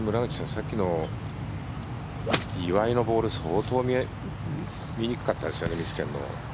さっきの岩井のボール相当、見にくかったですよね見つけるの。